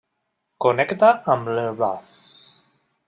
Connecta amb l'Elba.